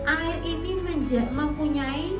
air ini mempunyai